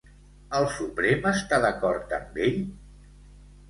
El suprem està d'acord amb ell?